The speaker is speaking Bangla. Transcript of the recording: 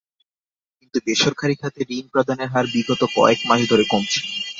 কিন্তু বেসরকারি খাতে ঋণ প্রদানের হার বিগত কয়েক মাস ধরে কমছে।